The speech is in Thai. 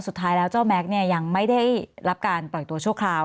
สุดท้ายเจ้าแม็กซ์ยังไม่ได้รับการปล่อยตัวชั่วครัว